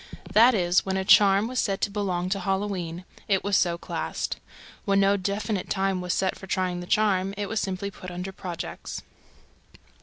That is, when a charm was said to belong to Halloween, it was so classed. When no definite time was set for trying the charm, it was simply put under "projects."